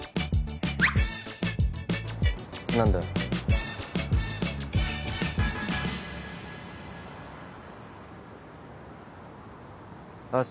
何だ明日